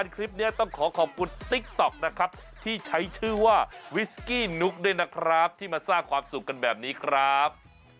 คลิปนี้ต้องขอขอบคุณติ๊กต๊อกนะครับที่ใช้ชื่อว่าวิสกี้นุ๊กด้วยนะครับที่มาสร้างความสุขกันแบบนี้ครับ